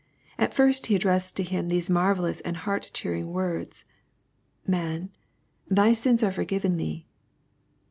At first he addressed to him those marvellous and heart cheering words, " Man, thy sins are forgiven thee."